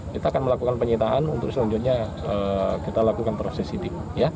kita akan melakukan penyitaan untuk selanjutnya kita lakukan proses sidik